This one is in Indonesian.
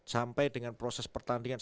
sampai dengan proses pertandingan